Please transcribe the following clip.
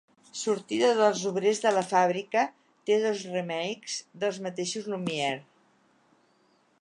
Sortida dels obrers de la fàbrica té dos remakes dels mateixos Lumière.